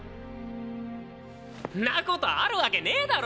んなことあるわけねぇだろ！